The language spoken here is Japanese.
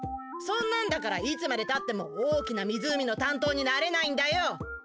そんなんだからいつまでたっても大きな湖のたん当になれないんだよ！